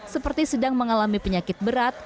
seperti sedang mengalami penyakit berat